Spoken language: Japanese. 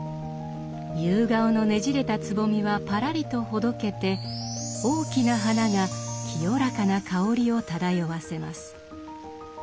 夕顔のねじれたつぼみはぱらりとほどけて大きな花が清らかな香りを漂わせます。